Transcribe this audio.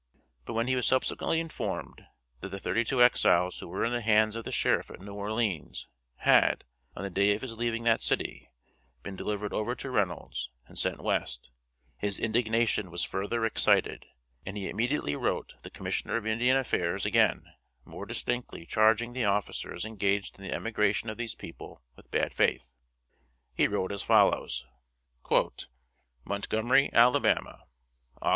But when he was subsequently informed that the thirty two Exiles who were in the hands of the Sheriff at New Orleans had, on the day of his leaving that city, been delivered over to Reynolds, and sent West, his indignation was further excited, and he immediately wrote the Commissioner of Indian Affairs again more distinctly charging the officers engaged in the emigration of these people with bad faith. He wrote as follows: "MONTGOMERY, ALABAMA, Aug.